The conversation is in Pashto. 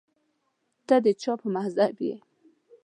ته د چا په مذهب یې